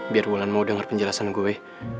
biar wulan mau denger penjelasan gue